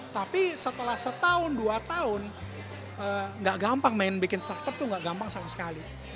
tapi setelah setahun dua tahun nggak gampang main bikin startup itu nggak gampang sama sekali